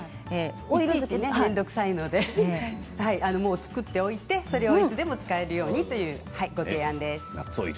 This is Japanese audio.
いちいち面倒くさいので作っておいてそれをいつでも使えるようにというご提案です。